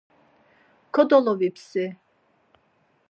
Kodolovipsi.